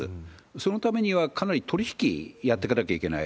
そのためには、かなり取り引きやってかなきゃいけない。